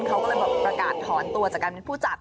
เขาก็เลยแบบประกาศถอนตัวจากการเป็นผู้จัด